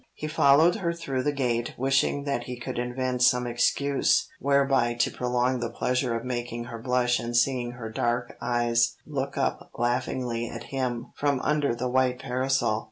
He followed her through the gate wishing that he could invent some excuse whereby to prolong the pleasure of making her blush and seeing her dark eyes look up laughingly at him from under the white parasol.